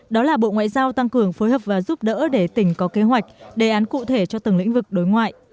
đó là bộ ngoại giao tăng cường phối hợp và giúp đỡ để tỉnh có kế hoạch đề án cụ thể cho từng lĩnh vực đối ngoại